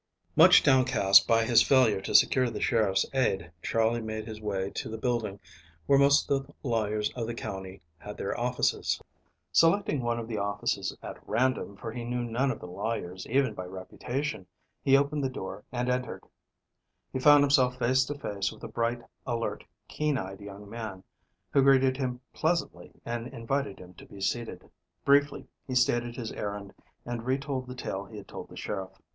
MUCH downcast by his failure to secure the sheriff's aid, Charley made his way to the building where most of the lawyers of the county had their offices. Selecting one of the offices at random, for he knew none of the lawyers, even by reputation, he opened the door and entered. He found himself face to face with a bright, alert, keen eyed young man, who greeted him pleasantly, and invited him to be seated. Briefly he stated his errand and retold the tale he had told the sheriff.